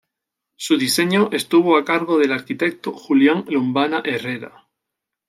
Su diseño estuvo a cargo del arquitecto Julián Lombana Herrera.